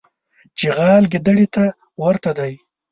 چغال ګیدړي ته ورته دی.